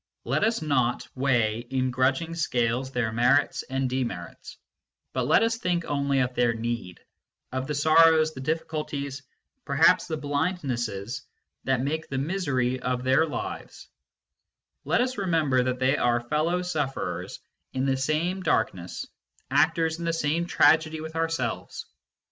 Let us not weigh in grudging scales their merits and demerits, but let us think only of their need of the sorrows, the difficulties, perhaps the blindnesses, that make the misery of their lives ; let us remember that they are fellow sufferers in the same darkness, actors in the same tragedy with ourselves.